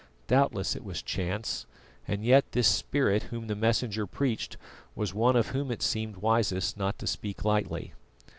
Doubtless it was chance, and yet this Spirit Whom the Messenger preached was one of Whom it seemed wisest not to speak lightly.